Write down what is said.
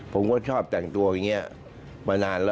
ผมก็ชอบแต่งตัวอย่างนี้มานานแล้ว